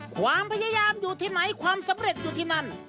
ความพยายามอยู่ที่ไหนความสำเร็จอยู่ที่นั่น